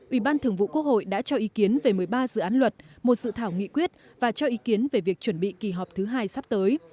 ủy ban thường vụ quốc hội đã cho ý kiến về một mươi ba dự án luật một dự thảo nghị quyết và cho ý kiến về việc chuẩn bị kỳ họp thứ hai sắp tới